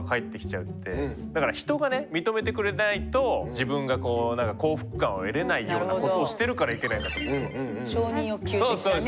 だから人が認めてくれないと自分が幸福感を得れないようなことをしてるからいけないんだと思うんだよね。